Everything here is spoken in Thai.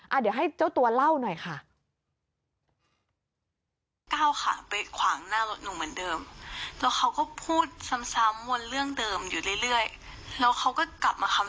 เดี๋ยวให้เจ้าตัวเล่าหน่อยค่ะ